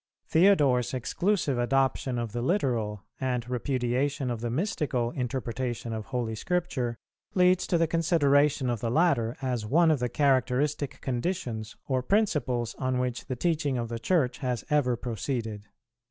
Theodore's exclusive adoption of the literal, and repudiation of the mystical interpretation of Holy Scripture, leads to the consideration of the latter, as one of the characteristic conditions or principles on which the teaching of the Church has ever proceeded.